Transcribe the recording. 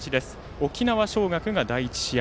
沖縄尚学が第１試合。